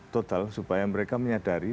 total supaya mereka menyadari